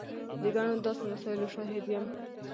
د ګڼو داسې مسایلو شاهد یم.